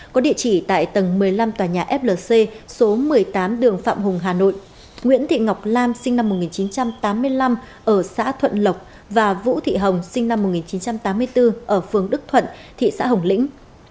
có địa chỉ tại tầng một mươi năm tòa nhà flc số một mươi tám đường phạm hùng hà nội nguyễn thị ngọc lam sinh năm một nghìn chín trăm tám mươi năm ở xã thuận lộc và vũ thị hồng sinh năm một nghìn chín trăm tám mươi bốn ở phương đức thuận thị xã hồng lĩnh